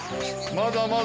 まだまだ！